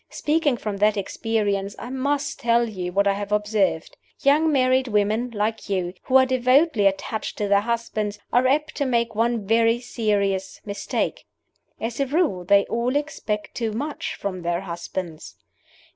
Speaking from that experience, I must tell you what I have observed. Young married women, like you, who are devotedly attached to their husbands, are apt to make one very serious mistake. As a rule, they all expect too much from their husbands.